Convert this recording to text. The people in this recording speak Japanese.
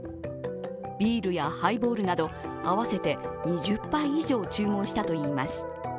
ビールやハイボールなど合わせて２０杯以上注文したといいます。